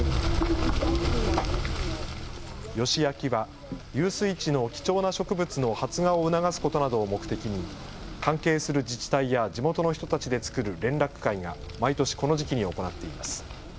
ヨシ焼きは遊水地の貴重な植物の発芽を促すことなどを目的に関係する自治体や地元の人たちで作る連絡会が毎年この時期に行っています。